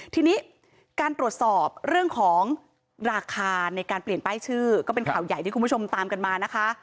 ทีนี้การตรวจสอบเรื่องของราคาในการเปลี่ยนป้ายชื่อก็เป็นข่าวใหญ่ที่คุณผู้ชมตามกันมานะคะ